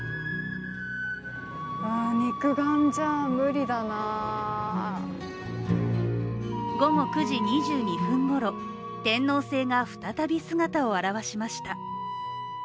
肉眼じゃ無理だな午後９時２２分ごろ、天王星が再び姿を現しました。